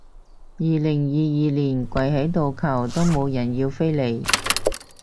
二零二二年跪喺度求都冇人要飛嚟